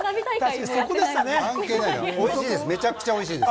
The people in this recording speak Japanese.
おいしいです！